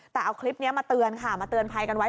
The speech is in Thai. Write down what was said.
แต่เอาคลิปนี้มาเตือนค่ะมาเตือนภัยกันไว้